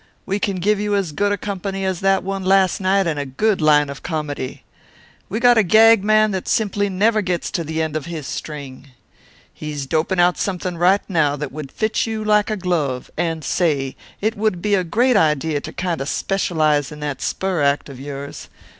We can give you as good a company as that one last night and a good line of comedy. We got a gag man that simply never gets to the end of his string. He's doping out something right now that would fit you like a glove and say, it would be a great idea to kind a' specialize in that spur act of yours.